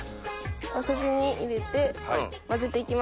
大さじ２入れて混ぜていきます。